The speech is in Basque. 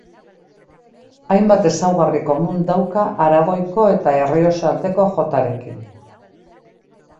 Hainbat ezaugarri komun dauka Aragoiko eta Errioxa aldeko jotarekin.